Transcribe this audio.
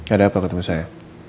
ada apa ketemu saya